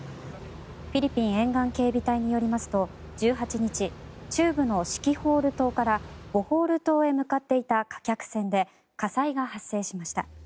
フィリピン沿岸警備隊によりますと１８日中部のシキホール島からボホール島に向かっていた貨客船で火災が発生しました。